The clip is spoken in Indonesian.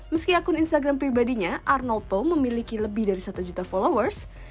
meski akun instagram pribadinya arnold pop memiliki lebih dari satu juta followers